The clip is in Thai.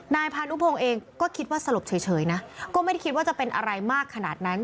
นายพานุพงศ์เองก็คิดว่าสลบเฉยนะก็ไม่ได้คิดว่าจะเป็นอะไรมากขนาดนั้น